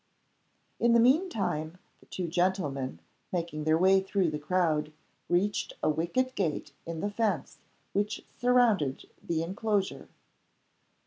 In the mean time the two gentlemen, making their way through the crowd, reached a wicket gate in the fence which surrounded the inclosure.